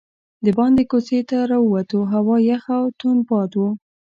دباندې کوڅې ته راووتو، هوا یخه او توند باد و.